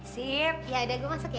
sip ya udah gue masuk ya